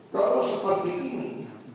kalau seperti ini